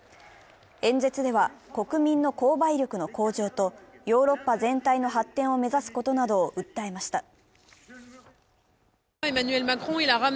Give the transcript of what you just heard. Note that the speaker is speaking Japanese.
演説では、国民の購買力の向上とヨーロッパ全体の発展を目指すことなどを訴えました。